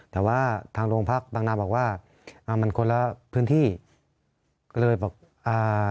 แต่ว่าทางโรงพักบางนาบอกว่าอ่ามันคนละพื้นที่ก็เลยบอกอ่า